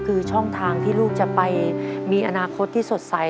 คือช่องทางที่ลูกจะไปมีอนาคตที่สดใส